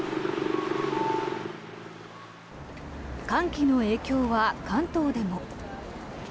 寒気の影響は関東でも。